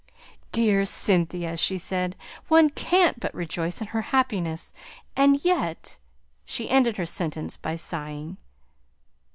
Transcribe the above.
"Dear Cynthia!" she said. "One can't but rejoice in her happiness! And yet " she ended her sentence by sighing.